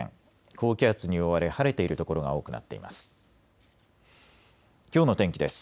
高気圧に覆われ晴れている所が多くなっています。